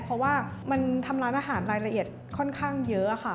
เพราะว่ามันทำร้านอาหารรายละเอียดค่อนข้างเยอะค่ะ